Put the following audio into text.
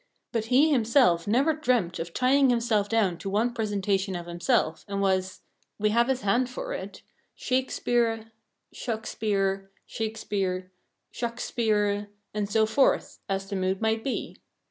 But he himself never dreamt of tying himself down to one presentation of himself, and was we have his hand for it Shakespeare, Shakspear, Shakespear, Shakspeare, and so forth, as the mood might be.